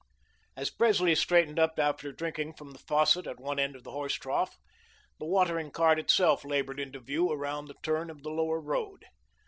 As Presley straightened up after drinking from the faucet at one end of the horse trough, the watering cart itself laboured into view around the turn of the Lower Road.